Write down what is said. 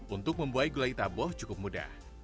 untuk membuai gulai taboh cukup mudah